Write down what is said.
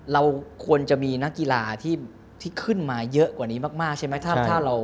เราควรจะมีนักกีฬาที่ขึ้นมาเยอะกว่านี้มากใช่ไหม